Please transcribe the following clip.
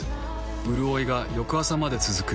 うるおいが翌朝まで続く。